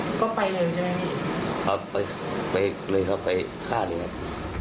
คุยครับก็ไปเลยใช่ไหมครับอ๋อไปเลยครับไปฆ่าเลยครับ